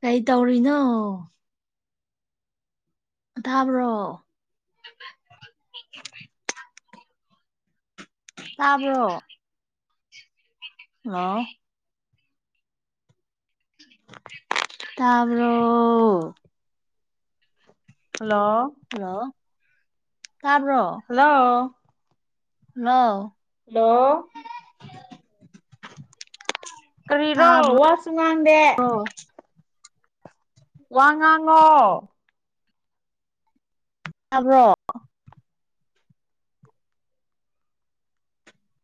ꯀꯩ ꯇꯧꯔꯤꯅꯣ ꯊꯥꯕ꯭ꯔꯣ ꯇꯥꯕ꯭ꯔꯣ ꯍꯜꯂꯣ ꯇꯥꯕ꯭ꯔꯣ ꯍꯜꯂꯣ ꯍꯜꯂꯣ ꯇꯥꯕ꯭ꯔꯣ ꯍꯜꯂꯣ ꯍꯜꯂꯣ ꯍꯜꯂꯣ ꯀꯔꯤꯔꯣ ꯇꯥꯕ꯭ꯔꯣ ꯋꯥꯁꯨ ꯉꯥꯡꯗꯦ ꯋꯥꯉꯥꯡꯉꯣ ꯇꯥꯕ꯭ꯔꯣ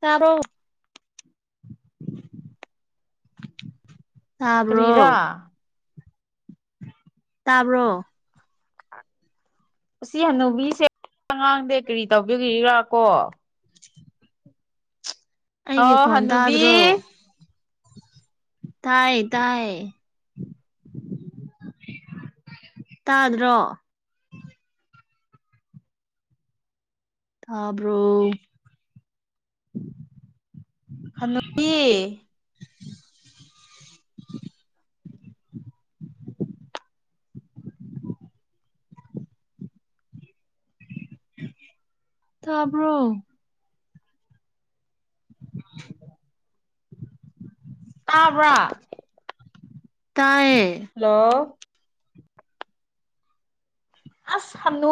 ꯇꯥꯕ꯭ꯔꯣ ꯇꯥꯕ꯭ꯔꯣ ꯀꯔꯤꯔꯥ ꯇꯥꯕ꯭ꯔꯣ ꯑꯁꯤ ꯍꯟꯅꯨꯕꯤꯁꯦ ꯉꯥꯡꯗꯦ ꯀꯔꯤ ꯇꯧꯕꯒꯤꯔ ꯀꯣ ꯍꯣ ꯑꯩꯒꯤ ꯈꯣꯟ ꯍꯟꯅꯨꯕꯤ ꯇꯥꯗ꯭ꯔꯣ ꯇꯥꯏ ꯗꯥꯏ ꯇꯥꯗ꯭ꯔꯣ ꯇꯥꯕ꯭ꯔꯣ ꯅꯨꯏ ꯇꯥꯕ꯭ꯔꯣ [inaudible] ꯇꯥꯕ꯭ꯔꯥ ꯇꯥꯏꯌꯦ ꯂꯣ ꯑꯁ ꯍꯟꯅꯨ